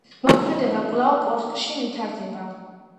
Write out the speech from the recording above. მოქმედება კვლავ ფორკსში ვითარდება.